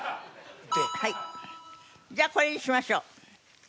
じゃあこれにしましょう。